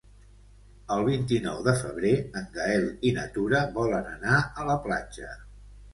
El vint-i-nou de febrer en Gaël i na Tura volen anar a la platja.